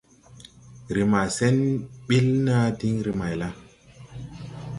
Re ma sen ɓil naa diŋ re mayla? ».